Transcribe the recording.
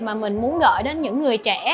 mà mình muốn gọi đến những người trẻ